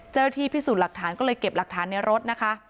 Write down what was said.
เจ้าหน้าที่พิสูจน์หลักฐานก็เลยเก็บหลักฐานในรถนะคะ